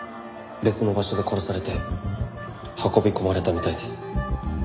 別の場所で殺されて運び込まれたみたいです。